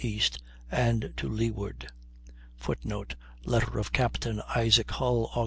E. and to leeward, [Footnote: Letter of Capt. Isaac Hull, Aug.